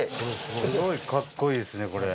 すごいかっこいいですねこれ。